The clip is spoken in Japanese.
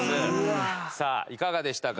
さあいかがでしたか？